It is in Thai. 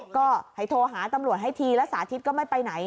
ก็ให้โทรหาตำรวจให้ทีละสาธิตก็ไม่ไปไหน